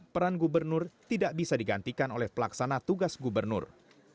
peran gubernur tidak bisa digantikan oleh pelaksana tugas gubernur